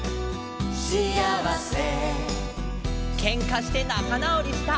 「シアワセ」「けんかして仲直りした」。